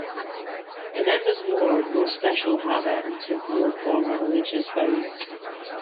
The members wore no special habit and took no formal religious vows.